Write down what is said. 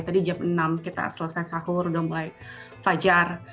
tadi jam enam kita selesai sahur udah mulai fajar